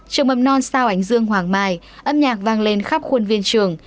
trường mầm non sao ánh dương hoàng mai âm nhạc vang lên khắp khuôn viên trường